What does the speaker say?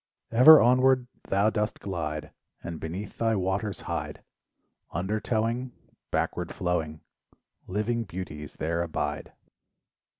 Ever onward thou dost glide, And beneath thy waters hide, Undertowing, Backward flowing Living beauties there abide.